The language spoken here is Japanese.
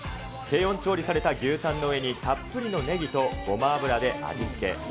低温調理された牛タンの上に、たっぷりのネギとごま油で味付け。